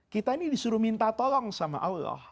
kita ini disuruh minta tolong sama allah